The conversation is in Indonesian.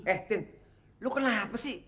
eh tin lu kelapa sih